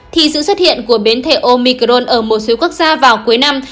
thì sự xuất hiện của biến thể omicron ở một số quốc gia vào cuối năm